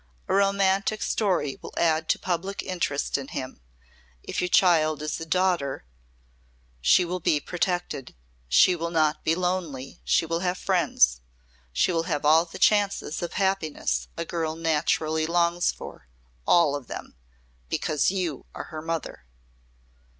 A romantic story will add to public interest in him. If your child is a daughter she will be protected. She will not be lonely, she will have friends. She will have all the chances of happiness a girl naturally longs for all of them. Because you are her mother."